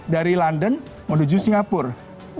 dari london menuju singapura